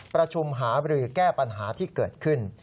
ประชุมหาบรือแก้ปัญหาที่เกิดขึ้น